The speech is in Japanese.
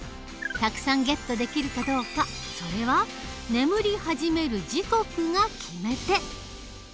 たくさんゲットできるかどうかそれは眠り始める時刻が決め手。